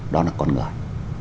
đó là con người